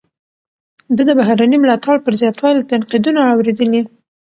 ده د بهرني ملاتړ پر زیاتوالي تنقیدونه اوریدلي.